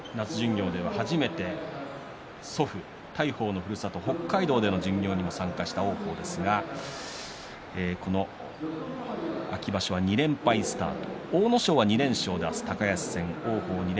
巡業では初めて大鵬のふるさと北海道での巡業にも参加した王鵬ですが秋場所は２連敗スタート。